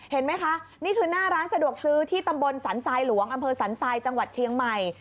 เห็นไหมคะนี่คือหน้าร้านสะดวกซื้อที่ตำบลสันทรายหลวงอำเภอสันทรายจังหวัดเชียงใหม่